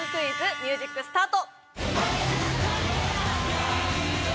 ミュージックスタート！